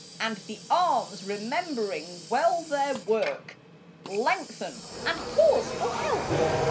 " and the arms, remembering well their work, Lengthen and pause for help.